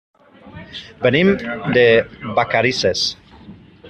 Venim de Vacarisses.